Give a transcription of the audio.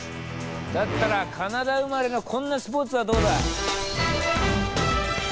だったらカナダ生まれのこんなスポーツはどうだ？